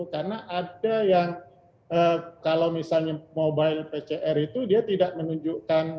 karena ada yang kalau misalnya mobile pcr itu dia tidak menunjukkan